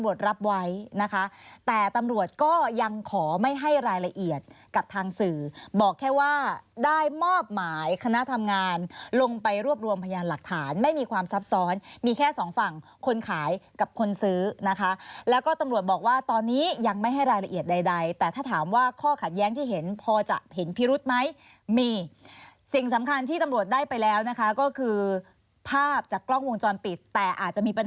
ขับลมแน่นท้องเสียขับลมแน่นท้องเสียขับลมแน่นท้องเสียขับลมแน่นท้องเสียขับลมแน่นท้องเสียขับลมแน่นท้องเสียขับลมแน่นท้องเสียขับลมแน่นท้องเสียขับลมแน่นท้องเสียขับลมแน่นท้องเสีย